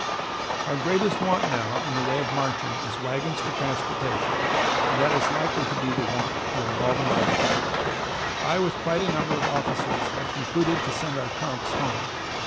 "Our greatest want now in the way of marching is wagons for transportation, and that is likely to be the want during all the marches. I, with quite a number of officers, have concluded to send our trunks home.